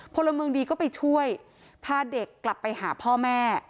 พลเมืองดีก็ไปช่วยพาเด็กกลับไปหาพ่อแม่